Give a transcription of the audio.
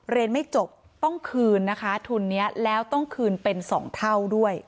เรียนไม่จบต้องคืนนี้ค่ะแล้วต้องคืนเป็นสองเท่าด้วย